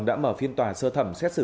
đã mở phiên tòa sơ thẩm xét xử